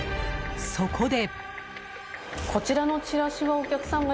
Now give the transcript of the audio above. そこで。